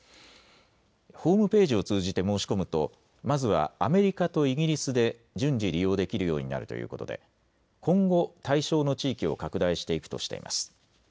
ホームページを通じて申し込むとまずはアメリカとイギリスで順次利用できるようになるということで今後対象の地域を拡大していくとしてます。